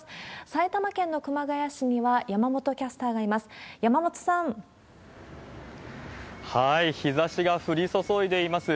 埼玉県の熊谷市には、山本キャスターがいます。